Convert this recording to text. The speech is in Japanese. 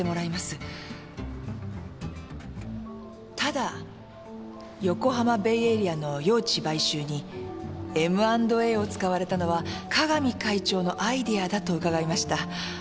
ただ横浜ベイエリアの用地買収にＭ＆Ａを使われたのは加々美会長のアイデアだと伺いました。